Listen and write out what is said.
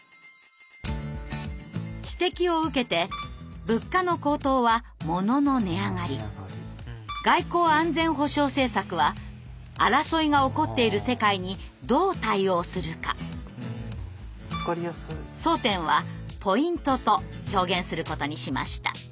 指摘を受けて「物価の高騰」は「物の値上がり」「外交・安全保障政策」は「争いが起こっている世界にどう対応するか」「争点」は「ポイント」と表現することにしました。